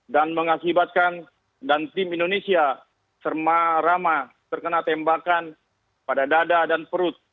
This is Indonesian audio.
dan mengakibatkan dan tim indonesia serma rama terkena tembakan pada dada dan perut